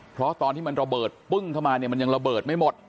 เพราะตอนที่มันระเบิดปึ้งเข้ามาเนี่ยมันยังระเบิดไม่หมด